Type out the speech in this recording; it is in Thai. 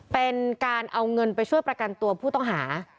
เป็นการเอาเงินไปช่วยประกันตัวผู้ต้องหา